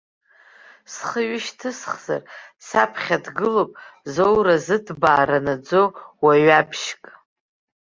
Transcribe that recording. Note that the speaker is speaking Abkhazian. Схы ҩышьҭысхзар, саԥхьа дгылоуп зоура-зыҭбаара наӡоу уаҩаԥшьк.